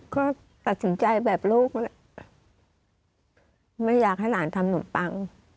ก็ตัดสินใจแบบลูก